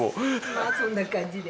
まあそんな感じで。